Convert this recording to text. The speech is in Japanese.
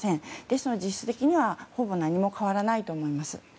ですので、実質的にはほぼ何も変わらないと思います。